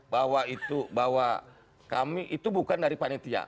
bahwa itu bahwa kami itu bukan dari panitia